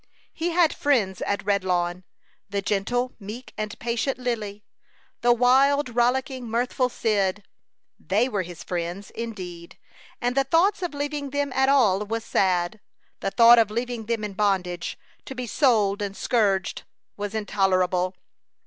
He had friends at Redlawn, the gentle, meek, and patient Lily, the wild, rollicking, mirthful Cyd. They were his friends, indeed, and the thought of leaving them at all was sad; the thought of leaving them in bondage, to be sold and scourged, was intolerable.